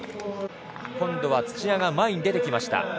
今度は土屋が前に出てきました。